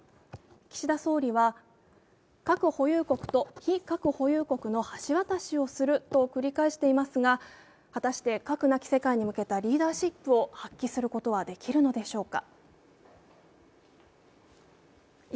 岸田総理は、核保有国と非核保有国との橋渡しをすると繰り返していますが、果たして、核なき世界に向けたリーダーシップを発揮することはできるのでしょうか。